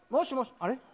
あれ？